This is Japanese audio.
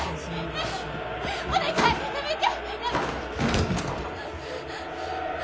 ねえお願いやめて！